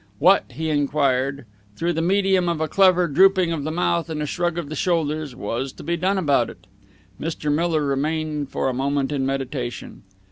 What, he enquired through the medium of a clever drooping of the mouth and a shrug of the shoulders was to be done about it? Mr. Miller remained for a moment in meditation.